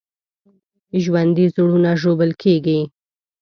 ژوندي زړونه ژوبل کېږي